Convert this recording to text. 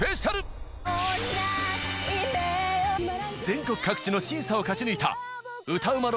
全国各地の審査を勝ち抜いた歌うま